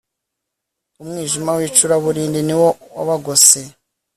umwijima w'icuraburindi niwo wabagose